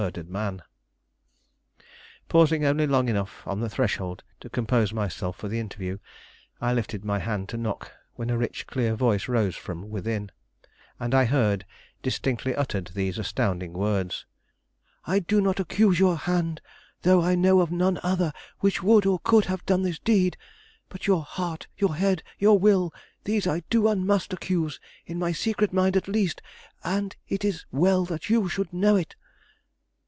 [Illustration: "Pausing only long enough on the threshold to compose myself for the interview, I lifted my hand to knock"] Pausing only long enough on the threshold to compose myself for the interview, I lifted my hand to knock, when a rich, clear voice rose from within, and I heard distinctly uttered these astounding words: "I do not accuse your hand, though I know of none other which would or could have done this deed; but your heart, your head, your will, these I do and must accuse, in my secret mind at least; and it is well that you should know it!"